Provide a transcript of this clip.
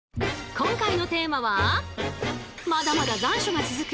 今回のテーマはまだまだ残暑が続く